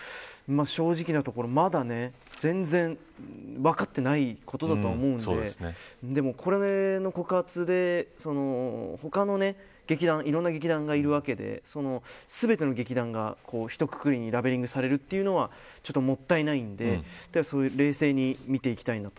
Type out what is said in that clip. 正直なところ、まだ全然分かっていないことだと思うのででもこの告発でいろんな劇団がいるわけで全ての劇団がひとくくりにラベリングされるのはもったいないので冷静に見ていきたいなと。